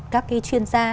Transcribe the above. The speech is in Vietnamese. các cái chuyên gia